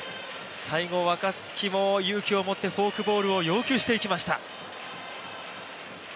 最後、若月も勇気を持ってフォークボールを要求していきました。